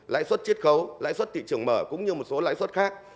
lãi suất chiết khấu lãi suất thị trường mở cũng như một số lãi suất khác